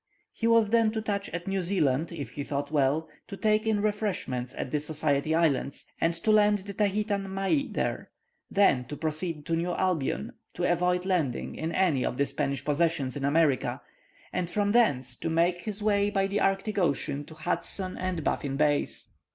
He was then to touch at New Zealand, if he thought well, to take in refreshments at the Society Islands, and to land the Tahitan Mai there; then to proceed to New Albion, to avoid landing in any of the Spanish possessions in America, and from thence to make his way by the Arctic Ocean to Hudson and Baffin Bays.